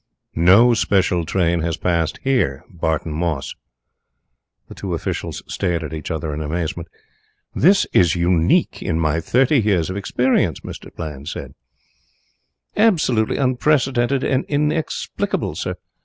"No special train has passed here. Barton Moss." The two officials stared at each other in amazement. "This is unique in my thirty years of experience," said Mr. Bland. "Absolutely unprecedented and inexplicable, sir.